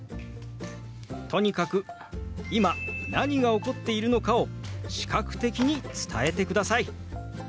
とにかく今何が起こっているのかを視覚的に伝えてください。